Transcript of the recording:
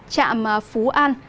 trạm phú an